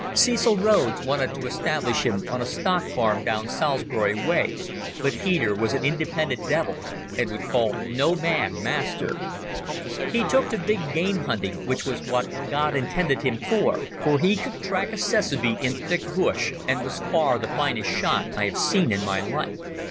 Cecil Rhodes wanted to establish him on a stock farm down Salisbury way, but Peter was an independent devil and would call no man master. He took to big game hunting, which was what God intended him for, for he could track a tsessebe in thick bush, and was far the finest shot I have seen in my life.